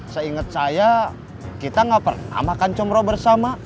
seingat saya kita nggak pernah makan comroh bersama